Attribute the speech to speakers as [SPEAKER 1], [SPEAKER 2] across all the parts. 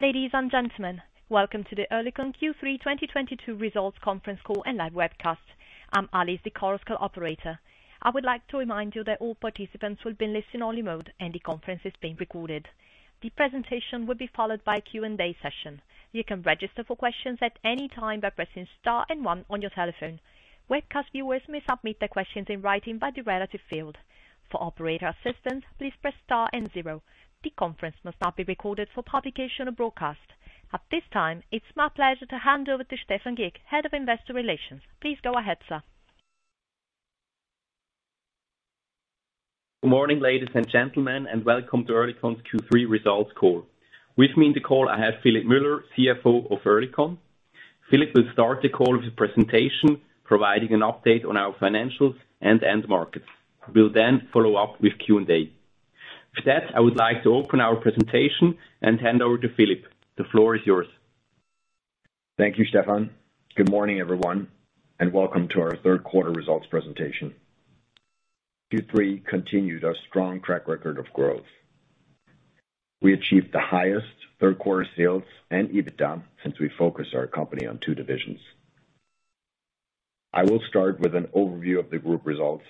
[SPEAKER 1] Ladies and gentlemen, welcome to the Oerlikon Q3 2022 Results Conference Call and live webcast. I'm Alice, the conference call operator. I would like to remind you that all participants will be in listen-only mode, and the conference is being recorded. The presentation will be followed by a Q&A session. You can register for questions at any time by pressing star and 1 on your telephone. Webcast viewers may submit their questions in writing by the relevant field. For operator assistance, please press star and 0. The conference may not be recorded for publication or broadcast. At this time, it's my pleasure to hand over to Stephan Gick, Head of Investor Relations. Please go ahead, sir.
[SPEAKER 2] Good morning, ladies and gentlemen, and welcome to Oerlikon's Q3 results call. With me in the call, I have Philipp Müller, CFO of Oerlikon. Philipp will start the call with a presentation providing an update on our financials and end markets. We'll then follow up with Q&A. For that, I would like to open our presentation and hand over to Philipp. The floor is yours.
[SPEAKER 3] Thank you, Stephan. Good morning, everyone, and welcome to our third quarter results presentation. Q3 continued our strong track record of growth. We achieved the highest third quarter sales and EBITDA since we focused our company on two divisions. I will start with an overview of the group results,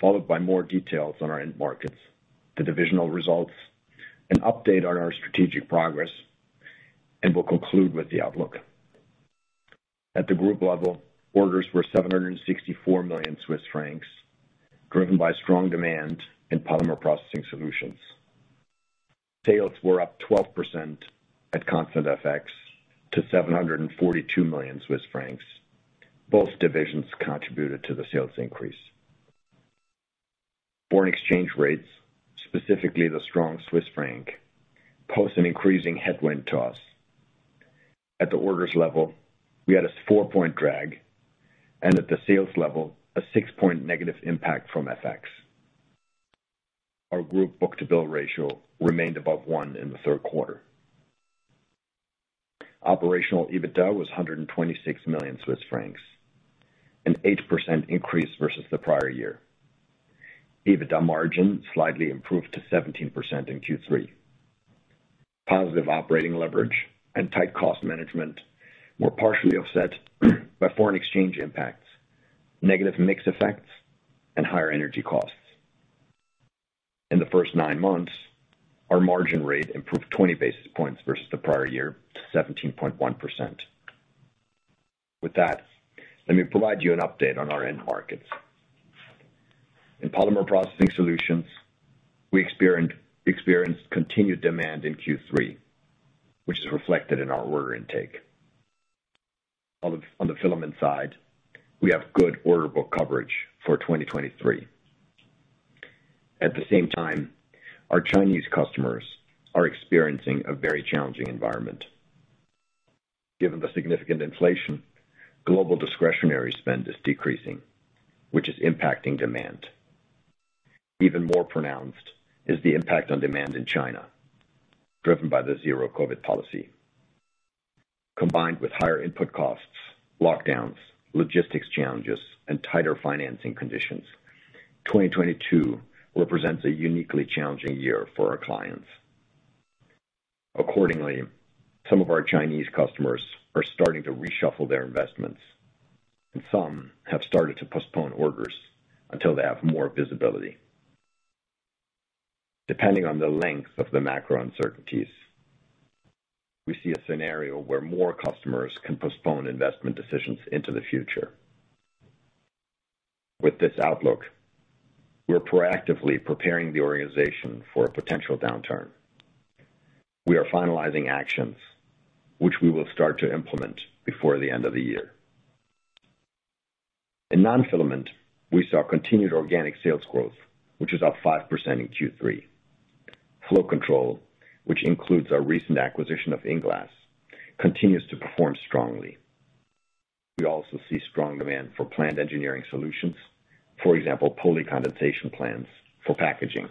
[SPEAKER 3] followed by more details on our end markets, the divisional results, an update on our strategic progress, and we'll conclude with the outlook. At the group level, orders were 764 million Swiss francs, driven by strong demand in Polymer Processing Solutions. Sales were up 12% at constant FX to 742 million Swiss francs. Both divisions contributed to the sales increase. Foreign exchange rates, specifically the strong Swiss franc, pose an increasing headwind to us. At the orders level, we had a 4-point drag, and at the sales level, a 6-point negative impact from FX. Our group book-to-bill ratio remained above one in the third quarter. Operational EBITDA was 126 million Swiss francs, an 8% increase versus the prior year. EBITDA margin slightly improved to 17% in Q3. Positive operating leverage and tight cost management were partially offset by foreign exchange impacts, negative mix effects, and higher energy costs. In the first nine months, our margin rate improved 20 basis points versus the prior year to 17.1%. With that, let me provide you an update on our end markets. In Polymer Processing Solutions, we experienced continued demand in Q3, which is reflected in our order intake. On the filament side, we have good order book coverage for 2023. At the same time, our Chinese customers are experiencing a very challenging environment. Given the significant inflation, global discretionary spend is decreasing, which is impacting demand. Even more pronounced is the impact on demand in China, driven by the Zero-COVID policy. Combined with higher input costs, lockdowns, logistics challenges, and tighter financing conditions, 2022 represents a uniquely challenging year for our clients. Accordingly, some of our Chinese customers are starting to reshuffle their investments, and some have started to postpone orders until they have more visibility. Depending on the length of the macro uncertainties, we see a scenario where more customers can postpone investment decisions into the future. With this outlook, we're proactively preparing the organization for a potential downturn. We are finalizing actions which we will start to implement before the end of the year. In non-filament, we saw continued organic sales growth, which is up 5% in Q3. Flow Control, which includes our recent acquisition of INglass, continues to perform strongly. We also see strong demand for plant engineering solutions, for example, polycondensation plants for packaging.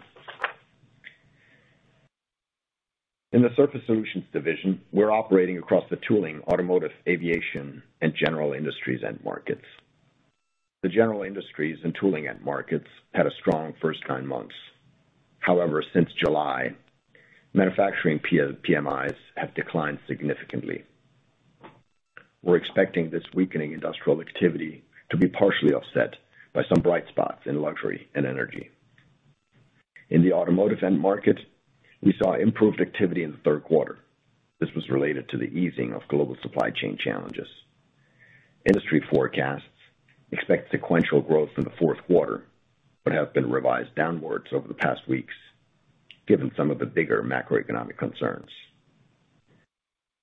[SPEAKER 3] In the Surface Solutions division, we're operating across the tooling, automotive, aviation, and general industries end markets. The general industries and tooling end markets had a strong first nine months. However, since July, manufacturing PMIs have declined significantly. We're expecting this weakening industrial activity to be partially offset by some bright spots in luxury and energy. In the automotive end market, we saw improved activity in the third quarter. This was related to the easing of global supply chain challenges. Industry forecasts expect sequential growth in the fourth quarter, but have been revised downwards over the past weeks, given some of the bigger macroeconomic concerns.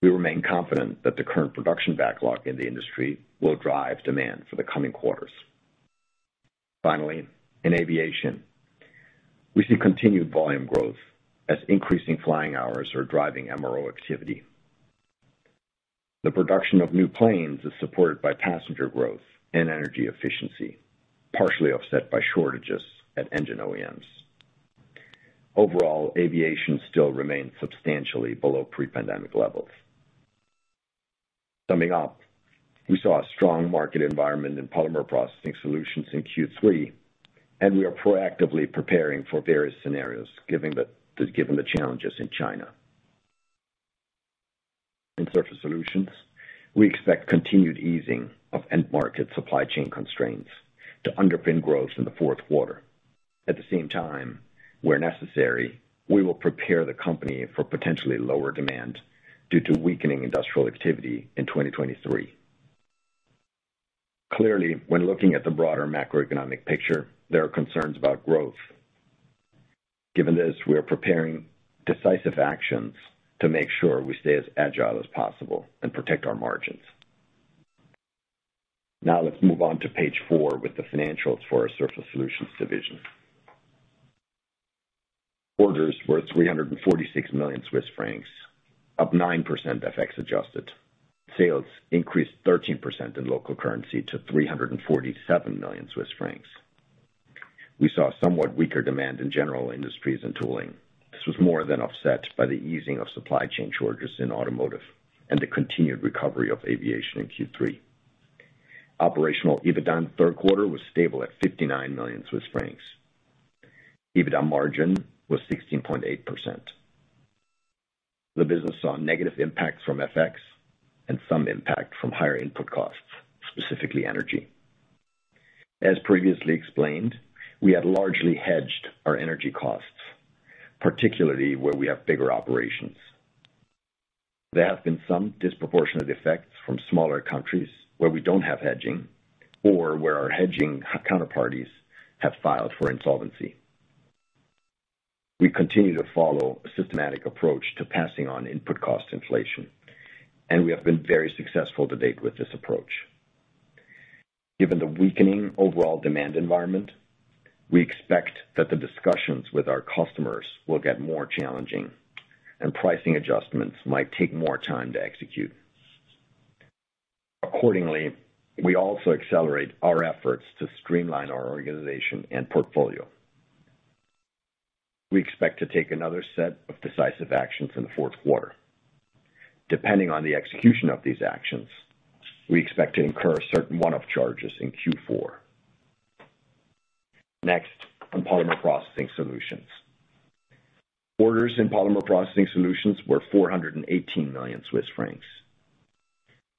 [SPEAKER 3] We remain confident that the current production backlog in the industry will drive demand for the coming quarters. Finally, in aviation, we see continued volume growth as increasing flying hours are driving MRO activity. The production of new planes is supported by passenger growth and energy efficiency, partially offset by shortages at engine OEMs. Overall, aviation still remains substantially below pre-pandemic levels. Summing up, we saw a strong market environment in Polymer Processing Solutions in Q3, and we are proactively preparing for various scenarios given the challenges in China. In Surface Solutions, we expect continued easing of end market supply chain constraints to underpin growth in the fourth quarter. At the same time, where necessary, we will prepare the company for potentially lower demand due to weakening industrial activity in 2023. Clearly, when looking at the broader macroeconomic picture, there are concerns about growth. Given this, we are preparing decisive actions to make sure we stay as agile as possible and protect our margins. Now let's move on to page 4 with the financials for our Surface Solutions division. Orders were 346 million Swiss francs, up 9% FX adjusted. Sales increased 13% in local currency to 347 million Swiss francs. We saw somewhat weaker demand in general industries and tooling. This was more than offset by the easing of supply chain shortages in automotive and the continued recovery of aviation in Q3. Operational EBITDA in third quarter was stable at 59 million Swiss francs. EBITDA margin was 16.8%. The business saw negative impacts from FX and some impact from higher input costs, specifically energy. As previously explained, we had largely hedged our energy costs, particularly where we have bigger operations. There have been some disproportionate effects from smaller countries where we don't have hedging or where our hedging counterparties have filed for insolvency. We continue to follow a systematic approach to passing on input cost inflation, and we have been very successful to date with this approach. Given the weakening overall demand environment, we expect that the discussions with our customers will get more challenging and pricing adjustments might take more time to execute. Accordingly, we also accelerate our efforts to streamline our organization and portfolio. We expect to take another set of decisive actions in the fourth quarter. Depending on the execution of these actions, we expect to incur certain one-off charges in Q4. Next, on Polymer Processing Solutions. Orders in Polymer Processing Solutions were 418 million Swiss francs.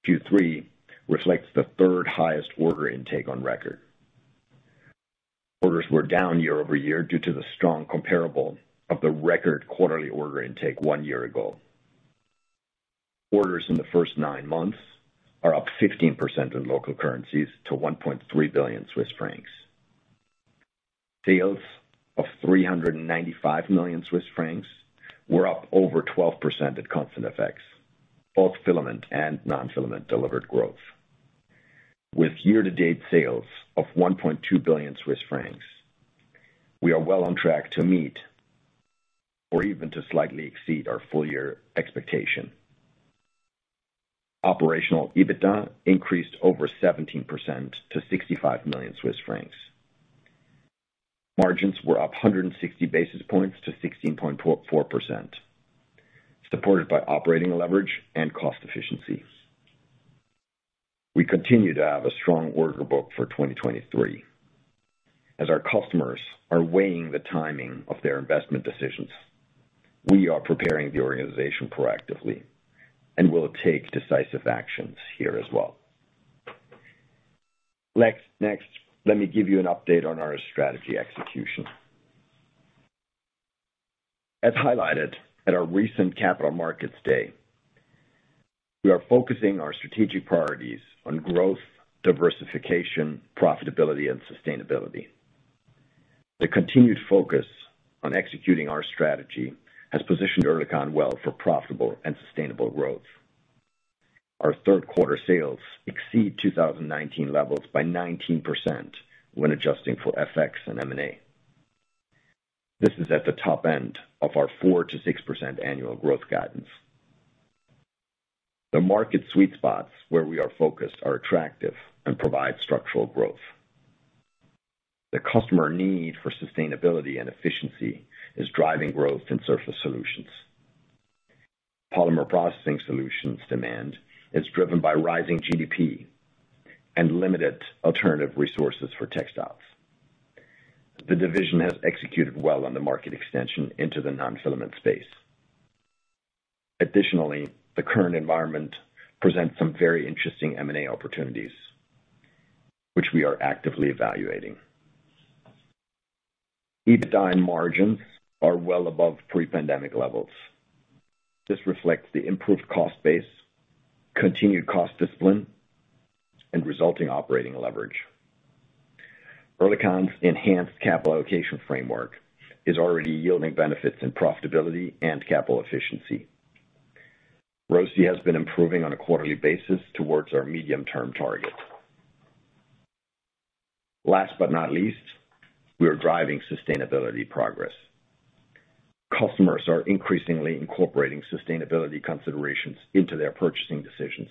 [SPEAKER 3] Q3 reflects the third highest order intake on record. Orders were down year-over-year due to the strong comparable of the record quarterly order intake one year ago. Orders in the first nine months are up 15% in local currencies to 1.3 billion Swiss francs. Sales of 395 million Swiss francs were up over 12% at constant FX. Both filament and non-filament delivered growth. With year-to-date sales of 1.2 billion Swiss francs, we are well on track to meet or even to slightly exceed our full year expectation. Operational EBITDA increased over 17% to 65 million Swiss francs. Margins were up 160 basis points to 16.4%, supported by operating leverage and cost efficiency. We continue to have a strong order book for 2023. As our customers are weighing the timing of their investment decisions, we are preparing the organization proactively and will take decisive actions here as well. Next, let me give you an update on our strategy execution. As highlighted at our recent Capital Markets Day, we are focusing our strategic priorities on growth, diversification, profitability, and sustainability. The continued focus on executing our strategy has positioned Oerlikon well for profitable and sustainable growth. Our third quarter sales exceed 2019 levels by 19% when adjusting for FX and M&A. This is at the top end of our 4%-6% annual growth guidance. The market sweet spots where we are focused are attractive and provide structural growth. The customer need for sustainability and efficiency is driving growth in Surface Solutions. Polymer Processing Solutions demand is driven by rising GDP and limited alternative resources for textiles. The division has executed well on the market extension into the non-filament space. Additionally, the current environment presents some very interesting M&A opportunities, which we are actively evaluating. EBITDA margins are well above pre-pandemic levels. This reflects the improved cost base, continued cost discipline, and resulting operating leverage. Oerlikon's enhanced capital allocation framework is already yielding benefits in profitability and capital efficiency. ROCE has been improving on a quarterly basis towards our medium-term target. Last but not least, we are driving sustainability progress. Customers are increasingly incorporating sustainability considerations into their purchasing decisions.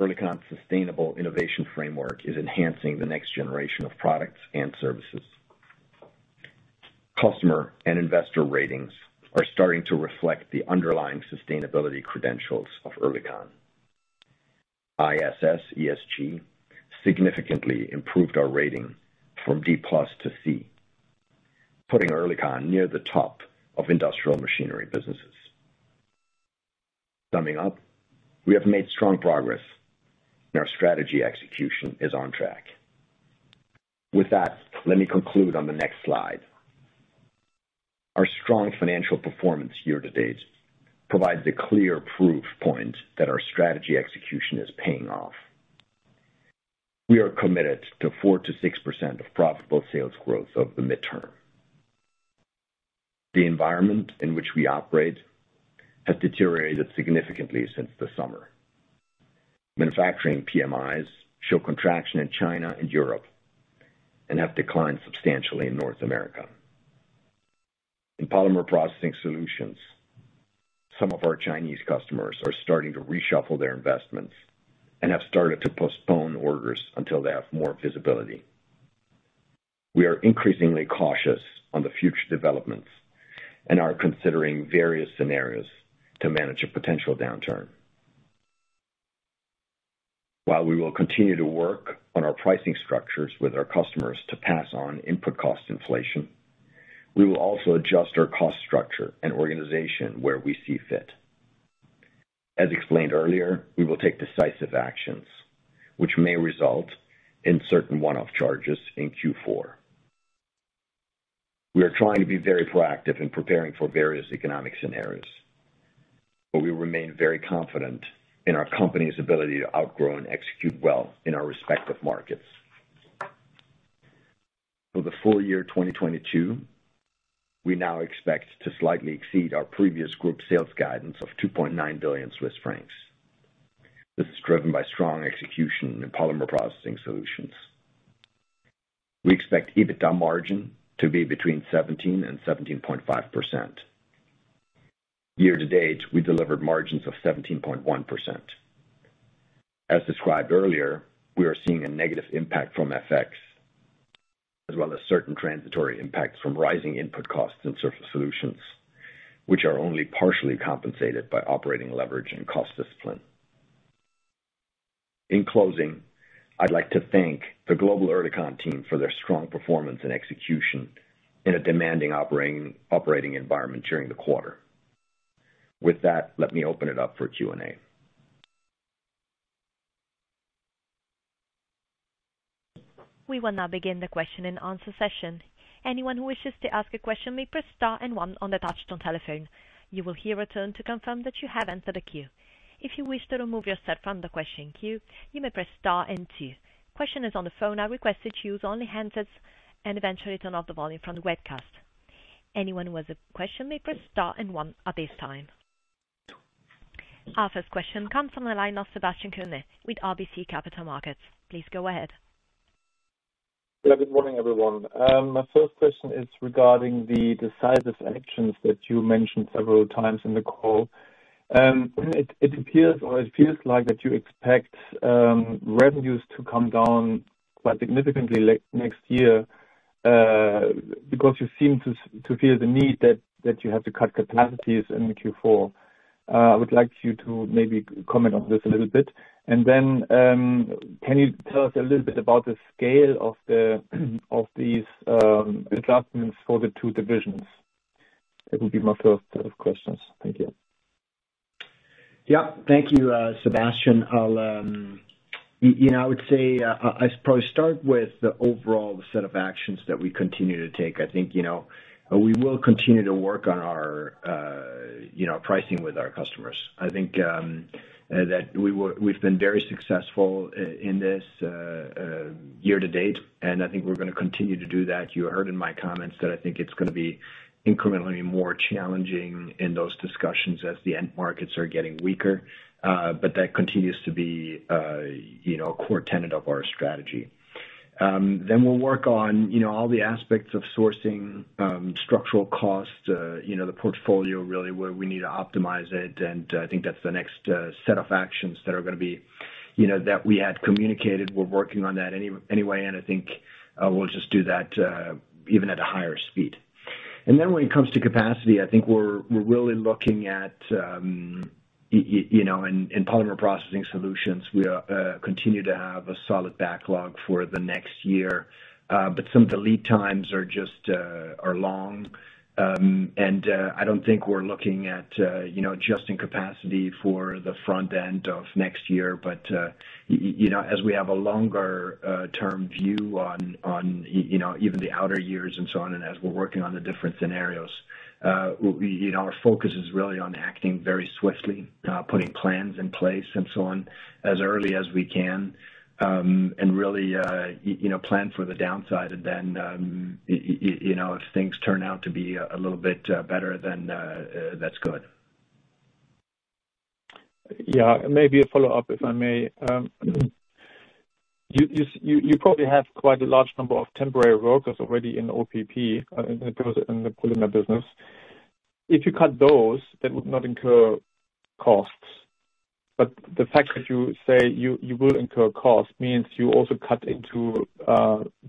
[SPEAKER 3] Oerlikon's sustainable innovation framework is enhancing the next generation of products and services. Customer and investor ratings are starting to reflect the underlying sustainability credentials of Oerlikon. ISS ESG significantly improved our rating from D+ to C, putting Oerlikon near the top of industrial machinery businesses. Summing up, we have made strong progress and our strategy execution is on track. With that, let me conclude on the next slide. Our strong financial performance year-to-date provides a clear proof point that our strategy execution is paying off. We are committed to 4%-6% profitable sales growth over the midterm. The environment in which we operate has deteriorated significantly since the summer. Manufacturing PMIs show contraction in China and Europe, and have declined substantially in North America. In Polymer Processing Solutions, some of our Chinese customers are starting to reshuffle their investments and have started to postpone orders until they have more visibility. We are increasingly cautious on the future developments and are considering various scenarios to manage a potential downturn. While we will continue to work on our pricing structures with our customers to pass on input cost inflation, we will also adjust our cost structure and organization where we see fit. As explained earlier, we will take decisive actions which may result in certain one-off charges in Q4. We are trying to be very proactive in preparing for various economic scenarios, but we remain very confident in our company's ability to outgrow and execute well in our respective markets. For the full year 2022, we now expect to slightly exceed our previous group sales guidance of 2.9 billion Swiss francs. This is driven by strong execution in Polymer Processing Solutions. We expect EBITDA margin to be between 17% and 17.5%. Year-to-date, we delivered margins of 17.1%. As described earlier, we are seeing a negative impact from FX, as well as certain transitory impacts from rising input costs in Surface Solutions, which are only partially compensated by operating leverage and cost discipline. In closing, I'd like to thank the global Oerlikon team for their strong performance and execution in a demanding operating environment during the quarter. With that, let me open it up for Q&A.
[SPEAKER 1] We will now begin the question-and-answer session. Anyone who wishes to ask a question may press star and 1 on the touch-tone telephone. You will hear a tone to confirm that you have entered a queue. If you wish to remove yourself from the question queue, you may press star and 2. Questioners on the phone, I request that you use only handsets and eventually turn off the volume from the webcast. Anyone who has a question may press star and 1 at this time. Our first question comes on the line of Sebastian Kuenne with RBC Capital Markets. Please go ahead.
[SPEAKER 4] Yeah, good morning, everyone. My first question is regarding the decisive actions that you mentioned several times in the call. It appears or it feels like that you expect revenues to come down quite significantly next year, because you seem to feel the need that you have to cut capacities in Q4. I would like you to maybe comment on this a little bit. Then, can you tell us a little bit about the scale of these adjustments for the two divisions? That would be my first set of questions. Thank you.
[SPEAKER 3] Yeah. Thank you, Sebastian. You know, I would say I'll probably start with the overall set of actions that we continue to take. I think, you know, we will continue to work on our, you know, pricing with our customers. I think that we've been very successful in this year-to-date, and I think we're gonna continue to do that. You heard in my comments that I think it's gonna be incrementally more challenging in those discussions as the end markets are getting weaker. That continues to be, you know, a core tenet of our strategy. We'll work on, you know, all the aspects of sourcing, structural cost, you know, the portfolio really where we need to optimize it. I think that's the next set of actions that are gonna be, you know, that we had communicated. We're working on that anyway, and I think we'll just do that even at a higher speed. Then when it comes to capacity, I think we're really looking at you know, in Polymer Processing Solutions, we continue to have a solid backlog for the next year. Some of the lead times are just long. I don't think we're looking at you know, adjusting capacity for the front end of next year. You know, as we have a longer term view on you know, even the outer years and so on, and as we're working on the different scenarios, we, you know, our focus is really on acting very swiftly, putting plans in place and so on, as early as we can, and really, you know, plan for the downside. Then, you know, if things turn out to be a little bit better than, that's good.
[SPEAKER 4] Yeah. Maybe a follow-up, if I may. You probably have quite a large number of temporary workers already in PPS, in terms of the polymer business. If you cut those, that would not incur costs. The fact that you say you will incur cost means you also cut into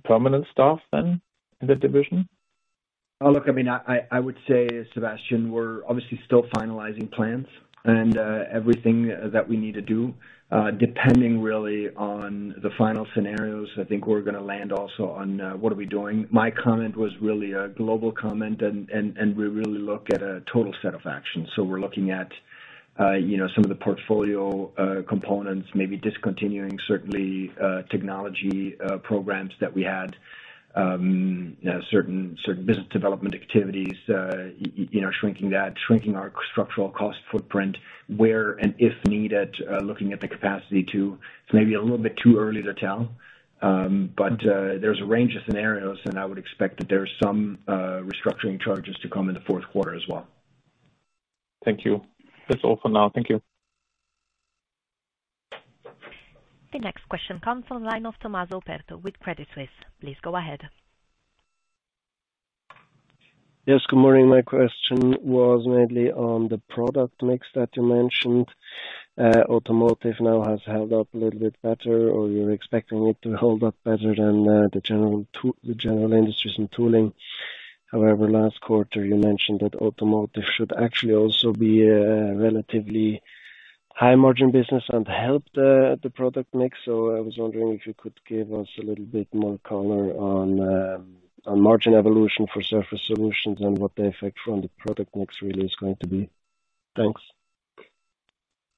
[SPEAKER 4] permanent staff then in that division?
[SPEAKER 3] I mean, I would say, Sebastian, we're obviously still finalizing plans and everything that we need to do, depending really on the final scenarios. I think we're gonna land also on what are we doing. My comment was really a global comment and we really look at a total set of actions. We're looking at, you know, some of the portfolio components, maybe discontinuing certainly technology programs that we had. You know, certain business development activities, you know, shrinking our structural cost footprint where and if needed, looking at the capacity. It's maybe a little bit too early to tell, but there's a range of scenarios, and I would expect that there's some restructuring charges to come in the fourth quarter as well.
[SPEAKER 4] Thank you. That's all for now. Thank you.
[SPEAKER 1] The next question comes from the line of Tommaso Operto with Credit Suisse. Please go ahead.
[SPEAKER 5] Yes, good morning. My question was mainly on the product mix that you mentioned. Automotive now has held up a little bit better, or you're expecting it to hold up better than the general industries and tooling. However, last quarter you mentioned that automotive should actually also be a relatively high margin business and help the product mix. I was wondering if you could give us a little bit more color on margin evolution for Surface Solutions and what the effect from the product mix really is going to be. Thanks.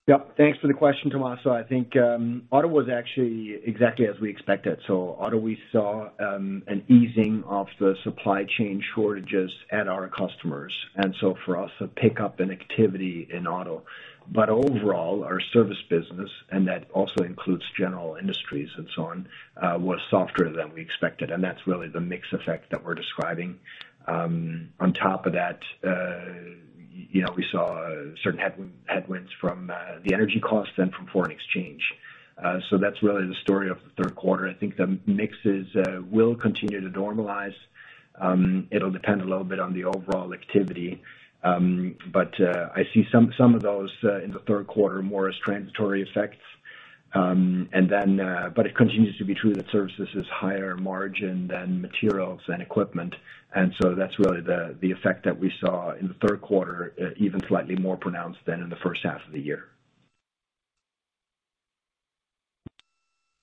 [SPEAKER 3] Yeah. Thanks for the question, Tommaso. I think auto was actually exactly as we expected. Auto, we saw an easing of the supply chain shortages at our customers, and so for us, a pickup in activity in auto. Overall, our service business, and that also includes general industries and so on, was softer than we expected, and that's really the mix effect that we're describing. On top of that, you know, we saw certain headwinds from the energy costs and from foreign exchange. That's really the story of the third quarter. I think the mixes will continue to normalize. It'll depend a little bit on the overall activity. I see some of those in the third quarter more as transitory effects. It continues to be true that services is higher margin than materials and equipment. That's really the effect that we saw in the third quarter, even slightly more pronounced than in the first half of the year.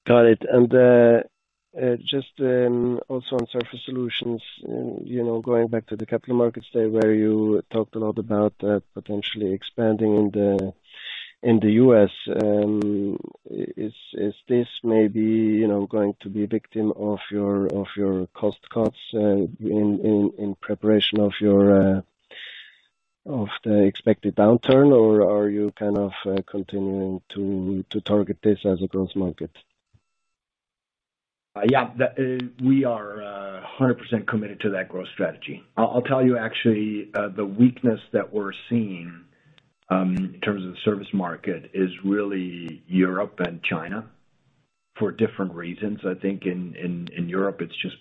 [SPEAKER 5] Got it. Just also on Surface Solutions, you know, going back to the Capital Markets Day where you talked a lot about potentially expanding in the U.S., is this maybe, you know, going to be a victim of your cost cuts in preparation of your of the expected downturn, or are you kind of continuing to target this as a growth market?
[SPEAKER 3] Yeah. We are 100% committed to that growth strategy. I'll tell you actually the weakness that we're seeing in terms of the service market is really Europe and China for different reasons. I think in Europe, it's just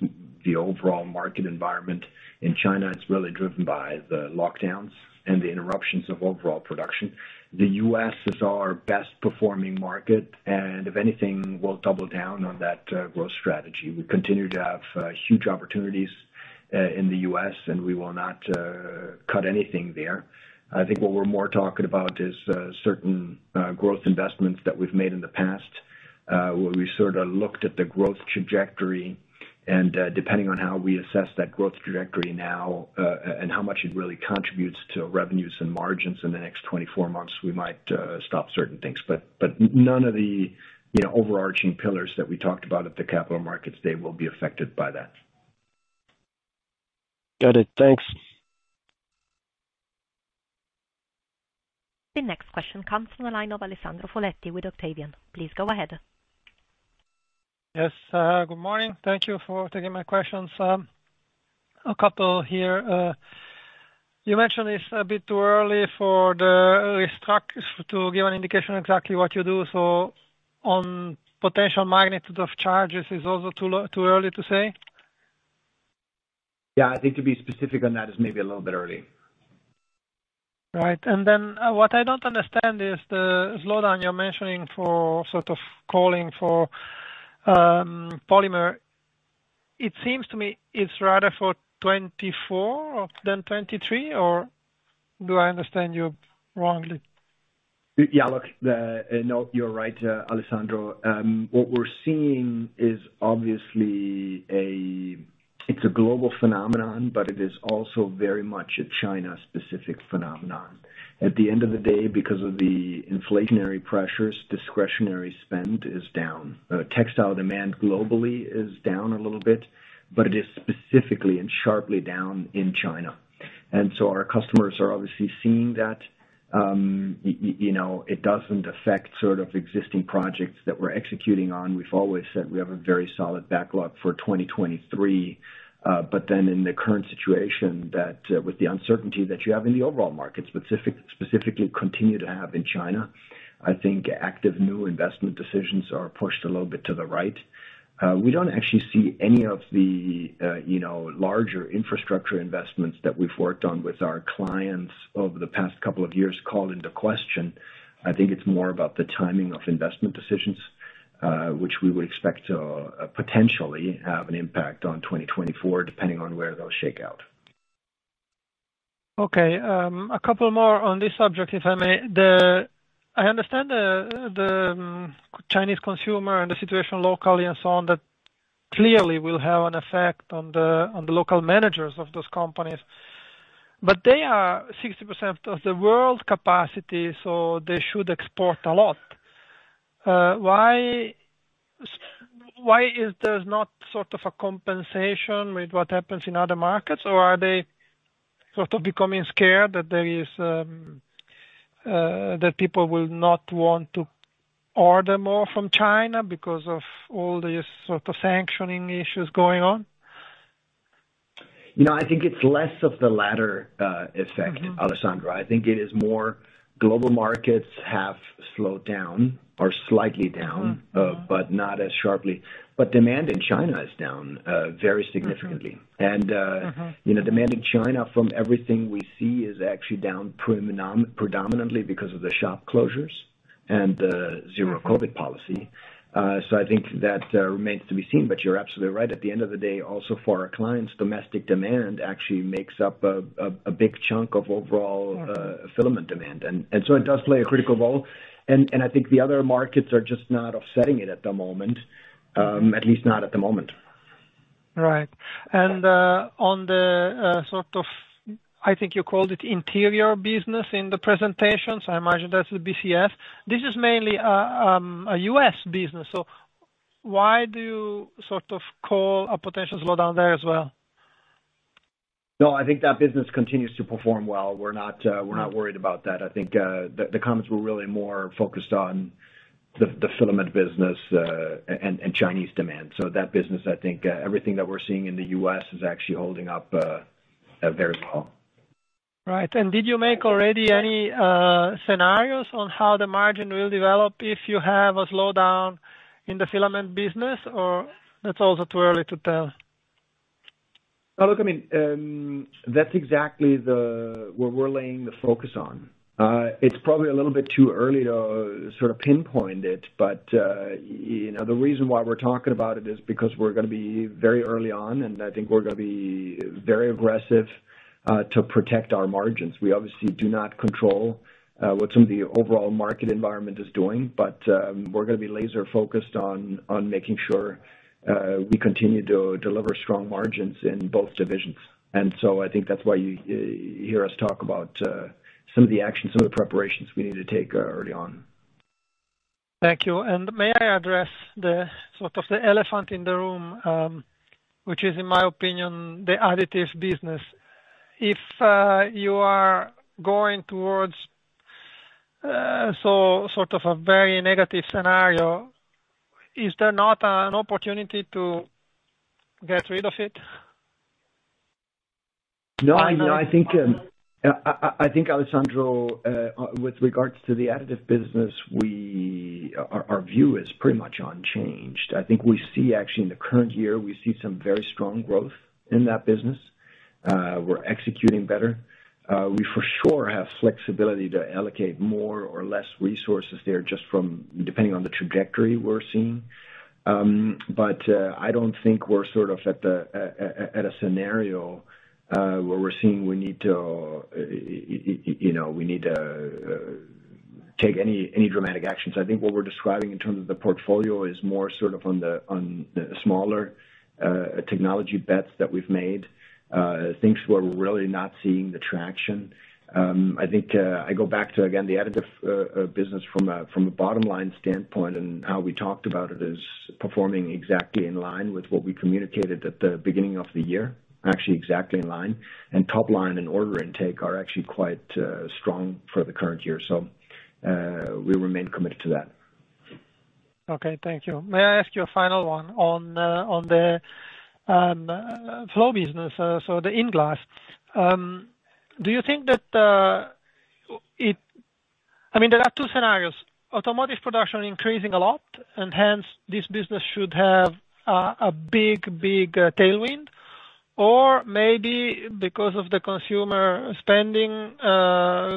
[SPEAKER 3] the overall market environment. In China, it's really driven by the lockdowns and the interruptions of overall production. The U.S. is our best performing market, and if anything, we'll double down on that growth strategy. We continue to have huge opportunities in the U.S., and we will not cut anything there. I think what we're more talking about is certain growth investments that we've made in the past, where we sort of looked at the growth trajectory, and depending on how we assess that growth trajectory now, and how much it really contributes to revenues and margins in the next 24 months, we might stop certain things. None of the, you know, overarching pillars that we talked about at the Capital Markets Day will be affected by that.
[SPEAKER 5] Got it. Thanks.
[SPEAKER 1] The next question comes from the line of Alessandro Foletti with Octavian. Please go ahead.
[SPEAKER 6] Yes. Good morning. Thank you for taking my questions. A couple here. You mentioned it's a bit too early to give an indication exactly what you do, so on potential magnitude of charges is also too early to say?
[SPEAKER 3] Yeah. I think to be specific on that is maybe a little bit early.
[SPEAKER 6] Right. What I don't understand is the slowdown you're mentioning for sort of calling for polymer. It seems to me it's rather for 2024 than 2023, or do I understand you wrongly?
[SPEAKER 3] No, you're right, Alessandro. What we're seeing is obviously a global phenomenon, but it is also very much a China-specific phenomenon. At the end of the day, because of the inflationary pressures, discretionary spend is down. Textile demand globally is down a little bit, but it is specifically and sharply down in China. Our customers are obviously seeing that. You know, it doesn't affect sort of existing projects that we're executing on. We've always said we have a very solid backlog for 2023. In the current situation with the uncertainty that you have in the overall market, specifically continue to have in China, I think active new investment decisions are pushed a little bit to the right. We don't actually see any of the, you know, larger infrastructure investments that we've worked on with our clients over the past couple of years called into question. I think it's more about the timing of investment decisions, which we would expect to potentially have an impact on 2024, depending on where those shake out.
[SPEAKER 6] Okay. A couple more on this subject, if I may. I understand the Chinese consumer and the situation locally and so on, that clearly will have an effect on the local managers of those companies. They are 60% of the world's capacity, so they should export a lot. Why is there not sort of a compensation with what happens in other markets? Are they sort of becoming scared that people will not want to order more from China because of all these sort of sanctioning issues going on?
[SPEAKER 3] No, I think it's less of the latter, effect, Alessandro. I think it is more global markets have slowed down or slightly down, but not as sharply. Demand in China is down, very significantly.
[SPEAKER 6] Mm-hmm.
[SPEAKER 3] You know, demand in China from everything we see is actually down predominantly because of the shop closures and Zero-COVID policy. I think that remains to be seen, but you're absolutely right. At the end of the day, also for our clients, domestic demand actually makes up a big chunk of overall filament demand. It does play a critical role. I think the other markets are just not offsetting it at the moment, at least not at the moment.
[SPEAKER 6] Right. On the sort of, I think you called it non-filament business in the presentation, so I imagine that's the BCF. This is mainly a U.S. business. Why do you sort of call a potential slowdown there as well?
[SPEAKER 3] No, I think that business continues to perform well. We're not worried about that. I think, the comments were really more focused on the filament business, and Chinese demand. That business, I think, everything that we're seeing in the U.S. is actually holding up very well.
[SPEAKER 6] Right. Did you make already any scenarios on how the margin will develop if you have a slowdown in the filament business, or that's also too early to tell?
[SPEAKER 3] Now look, I mean, that's exactly where we're laying the focus on. It's probably a little bit too early to sort of pinpoint it, but you know, the reason why we're talking about it is because we're gonna be very early on, and I think we're gonna be very aggressive to protect our margins. We obviously do not control what some of the overall market environment is doing, but we're gonna be laser focused on making sure we continue to deliver strong margins in both divisions. I think that's why you hear us talk about some of the actions, some of the preparations we need to take early on.
[SPEAKER 6] Thank you. May I address sort of the elephant in the room, which is, in my opinion, the Additive business. If you are going towards so sort of a very negative scenario, is there not an opportunity to get rid of it?
[SPEAKER 3] No, I think, Alessandro, with regards to the Additive business, our view is pretty much unchanged. I think we see actually in the current year, we see some very strong growth in that business. We're executing better. We for sure have flexibility to allocate more or less resources there just from depending on the trajectory we're seeing. I don't think we're sort of at a scenario where we're seeing we need to, you know, we need to take any dramatic actions. I think what we're describing in terms of the portfolio is more sort of on the smaller technology bets that we've made, things we're really not seeing the traction. I think I go back to, again, the Additive business from a bottom line standpoint and how we talked about it is performing exactly in line with what we communicated at the beginning of the year, actually exactly in line. Top line and order intake are actually quite strong for the current year. We remain committed to that.
[SPEAKER 6] Okay. Thank you. May I ask you a final one on the Flow Control business, the INglass. Do you think that I mean, there are two scenarios. Automotive production increasing a lot and hence this business should have a big tailwind. Or maybe because of the consumer spending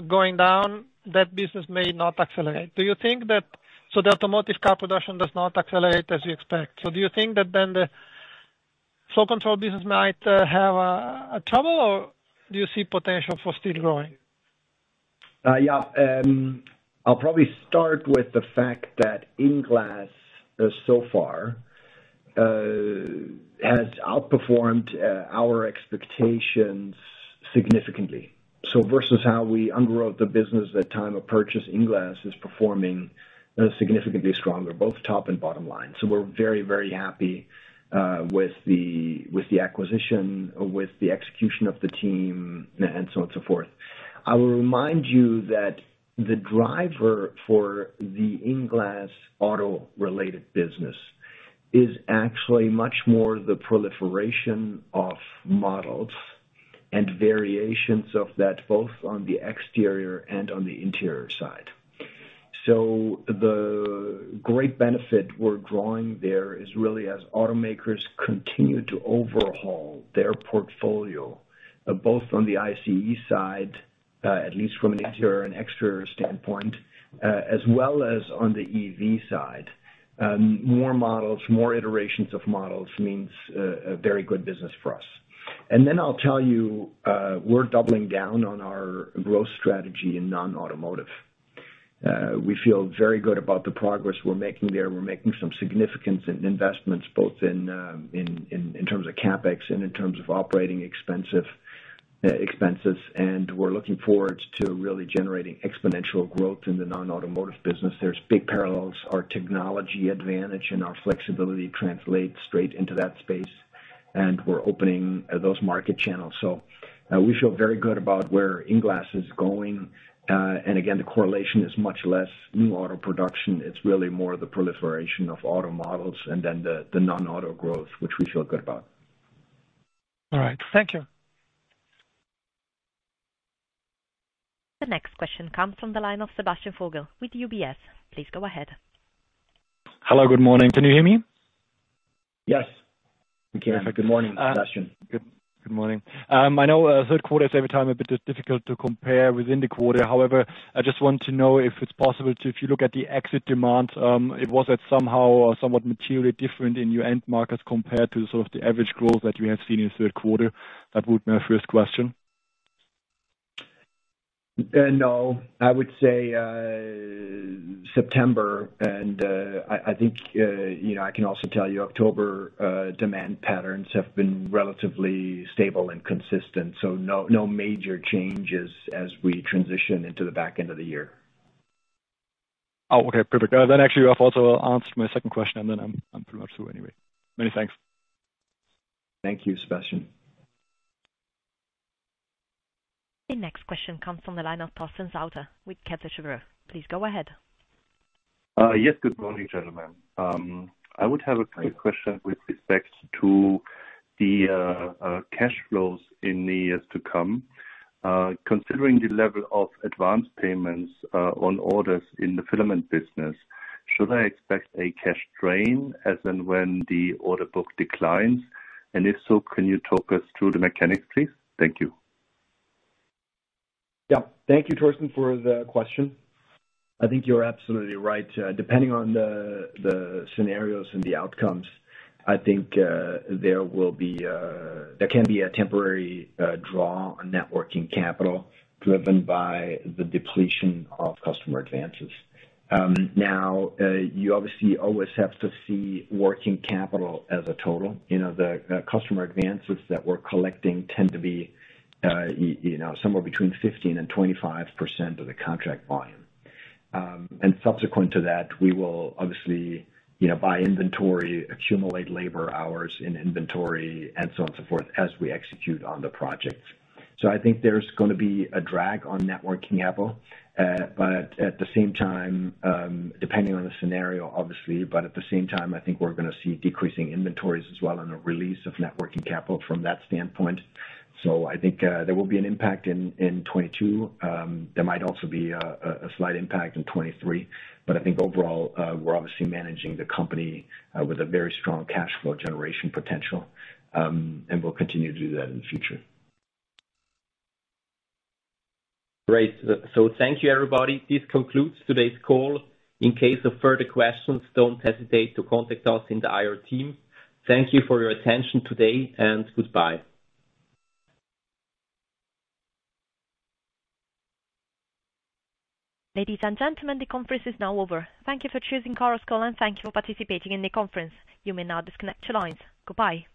[SPEAKER 6] going down, that business may not accelerate. Do you think that the automotive car production does not accelerate as you expect. Do you think that then the Flow Control business might have a trouble, or do you see potential for still growing?
[SPEAKER 3] I'll probably start with the fact that INglass so far has outperformed our expectations significantly. Versus how we underwrote the business at time of purchase, INglass is performing significantly stronger, both top and bottom line. We're very, very happy with the acquisition, with the execution of the team and so on and so forth. I will remind you that the driver for the INglass auto related business is actually much more the proliferation of models and variations of that, both on the exterior and on the interior side. The great benefit we're drawing there is really as automakers continue to overhaul their portfolio, both on the ICE side, at least from an interior and exterior standpoint, as well as on the EV side. More models, more iterations of models means a very good business for us. Then I'll tell you, we're doubling down on our growth strategy in non-automotive. We feel very good about the progress we're making there. We're making some significant investments, both in terms of CapEx and in terms of operating expenses. We're looking forward to really generating exponential growth in the non-automotive business. There's big parallels. Our technology advantage and our flexibility translates straight into that space, and we're opening those market channels. We feel very good about where INglass is going. And again, the correlation is much less new auto production. It's really more the proliferation of auto models and then the non-auto growth, which we feel good about.
[SPEAKER 6] All right. Thank you.
[SPEAKER 1] The next question comes from the line of Sebastian Vogel with UBS. Please go ahead.
[SPEAKER 7] Hello, good morning. Can you hear me?
[SPEAKER 3] Yes, we can. Good morning, Sebastian.
[SPEAKER 7] Good morning. I know third quarter is every time a bit difficult to compare within the quarter. However, I just want to know if you look at the exit demand, it was at somehow or somewhat materially different in your end markets compared to sort of the average growth that you have seen in the third quarter? That would be my first question.
[SPEAKER 3] No. I would say September, and I think, you know, I can also tell you October, demand patterns have been relatively stable and consistent, so no major changes as we transition into the back end of the year.
[SPEAKER 7] Oh, okay. Perfect. Then actually you have also answered my second question, and then I'm pretty much through anyway. Many thanks.
[SPEAKER 3] Thank you, Sebastian.
[SPEAKER 1] The next question comes from the line of Torsten Sauter with Kepler Cheuvreux. Please go ahead.
[SPEAKER 8] Yes. Good morning, gentlemen. I would have a quick question with respect to the cash flows in the years to come. Considering the level of advanced payments on orders in the filament business, should I expect a cash drain as and when the order book declines? If so, can you talk us through the mechanics, please? Thank you.
[SPEAKER 3] Yeah, thank you, Torsten, for the question. I think you're absolutely right. Depending on the scenarios and the outcomes, I think there can be a temporary draw on net working capital driven by the depletion of customer advances. Now, you obviously always have to see working capital as a total. You know, the customer advances that we're collecting tend to be, you know, somewhere between 15%-25% of the contract volume. Subsequent to that, we will obviously, you know, buy inventory, accumulate labor hours in inventory and so on and so forth as we execute on the project. I think there's gonna be a drag on net working capital, but at the same time, depending on the scenario, obviously, but at the same time I think we're gonna see decreasing inventories as well and a release of net working capital from that standpoint. I think there will be an impact in 2022. There might also be a slight impact in 2023, but I think overall, we're obviously managing the company with a very strong cash flow generation potential, and we'll continue to do that in the future.
[SPEAKER 2] Great. Thank you, everybody. This concludes today's call. In case of further questions, don't hesitate to contact us in the IR team. Thank you for your attention today and goodbye.
[SPEAKER 1] Ladies and gentlemen, the conference is now over. Thank you for choosing Chorus Call, and thank you for participating in the conference. You may now disconnect your lines. Goodbye.